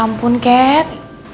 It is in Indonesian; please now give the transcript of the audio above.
ya ampun kat